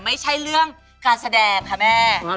ไม่ใช่เรื่องการแสดงค่ะแม่